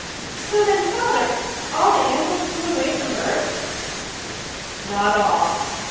'" "So then, father, all the An vils flew away from Earth?" "Not all.